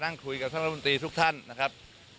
นั่งคุยกับท่านรัฐมนตรีทุกท่านนะครับ